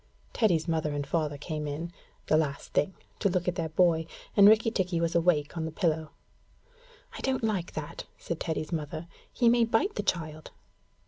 Teddy's mother and father came in, the last thing, to look at their boy, and Rikki tikki was awake on the pillow. 'I don't like that,' said Teddy's mother; 'he may bite the child.'